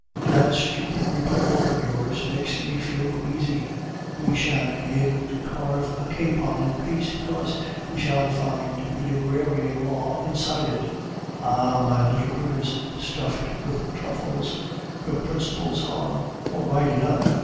"That stupid Republic of yours makes me feel queasy. We sha'n't be able to carve a capon in peace, because we shall find the agrarian law inside it." "Ah, my little Brutus, stuffed with truffles, your principles are all right enough.